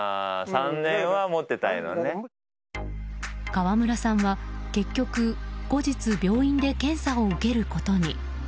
川村さんは結局後日、病院で検査を受けることに。